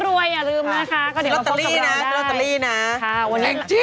ค่ะวันนี้แหลงจิ๊